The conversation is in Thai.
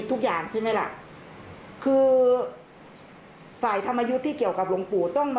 ถามหน่อยว่าเรามีสินห้าไหม